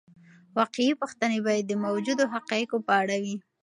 واقعي پوښتنې باید د موجودو حقایقو په اړه وي.